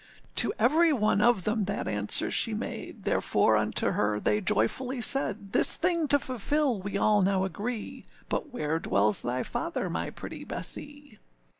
â To every one of them that answer she made, Therefore unto her they joyfully said: âThis thing to fulfil we all now agree, But where dwells thy father, my pretty Bessee?